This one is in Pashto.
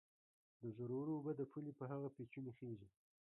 د زورورو اوبه د پولې په هغه پېچومي خېژي